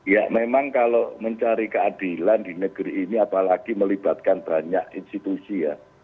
ya memang kalau mencari keadilan di negeri ini apalagi melibatkan banyak institusi ya